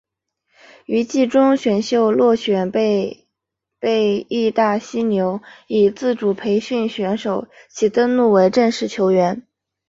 于季中选秀落选被被义大犀牛以自主培训选手其登录为正式球员。